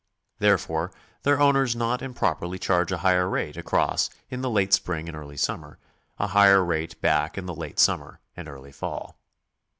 Therefore their owners not improperly charge a higher rate across in the late spring and early summer, a higher rate back in the late summer and early fall.